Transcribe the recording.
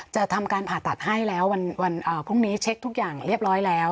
จะทำการผ่าตัดให้แล้ววันพรุ่งนี้เช็คทุกอย่างเรียบร้อยแล้ว